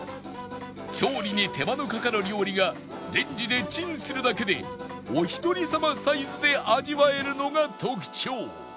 調理に手間のかかる料理がレンジでチンするだけでお一人様サイズで味わえるのが特徴！